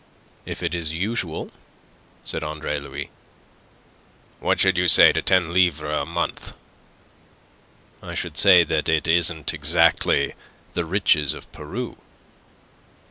"If it is usual," said Andre Louis. "What should you say to ten livres a month?" "I should say that it isn't exactly the riches of Peru."